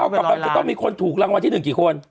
เอากลับมาจะต้องมีคนถูกรางวัลที่๑กี่คน